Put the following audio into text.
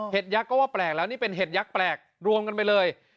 ยักษ์ก็ว่าแปลกแล้วนี่เป็นเห็ดยักษ์แปลกรวมกันไปเลย